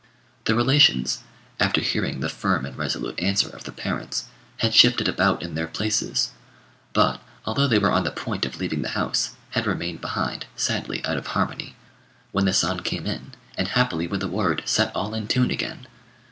The relations, after hearing the firm and resolute answer of the parents, had shifted about in their places; but, although they were on the point of leaving the house, had remained behind, sadly out of harmony; when the son came in, and happily with a word set all in tune again.